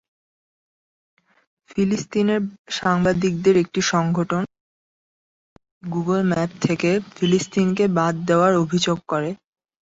ফিলিস্তিনের সাংবাদিকদের একটি সংগঠন সম্প্রতি গুগল ম্যাপ থেকে ফিলিস্তিনকে বাদ দেওয়ার অভিযোগ করে।